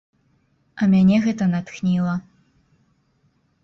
А мяне гэта натхніла.